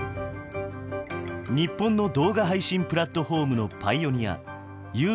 日本の動画配信プラットフォームのパイオニアＵー